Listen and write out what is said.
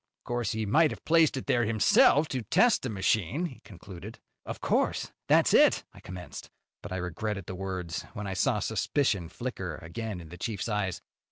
Of course, he might have placed it there himself to test the machine," he concluded. "Of course, that's it," I commenced. But I regretted the words when I saw suspicion flicker again in the chief's eyes.